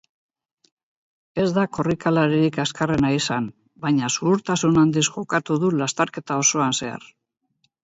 Ez da korrikalaririk azkarrena izan baina zuhurtasun handiz jokatu du lasterketa osoan zehar.